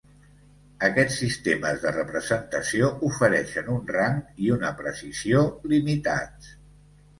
Aquests sistemes de representació ofereixen un rang i una precisió limitats.